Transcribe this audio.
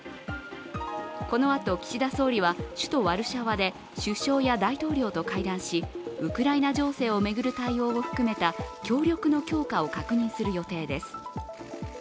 このあと岸田総理は首都ワルシャワで首相や大統領と会談し、ウクライナ情勢を巡る対応を含めた協力の強化を確認する予定です。